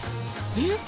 えっ？